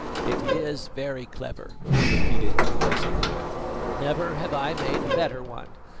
"It is very clever," he repeated complacently; "never have I made a better one.